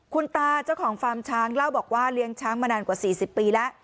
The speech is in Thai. คุณตาเจ้าของฟาร์มช้างเล่าบอกว่าเลี้ยงช้างมานานกว่า๔๐ปีแล้ว